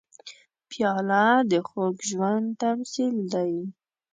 پیاله د خوږ ژوند تمثیل دی.